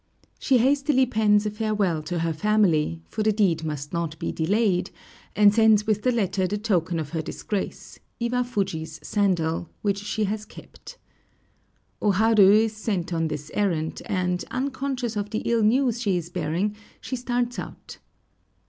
She hastily pens a farewell to her family, for the deed must not be delayed, and sends with the letter the token of her disgrace, Iwafuji's sandal, which she has kept. O Haru is sent on this errand, and, unconscious of the ill news she is bearing, she starts out.